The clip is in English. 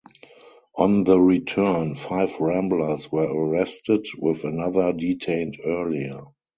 On the return, five ramblers were arrested, with another detained earlier.